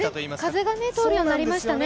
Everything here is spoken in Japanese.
風が通るようになりましたね。